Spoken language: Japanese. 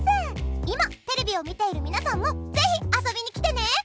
今テレビを見ている皆さんもぜひ遊びに来てね！